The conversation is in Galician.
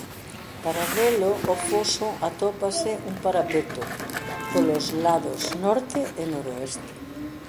Paralelo ó foso atópase un parapeto polos lados norte e noroeste.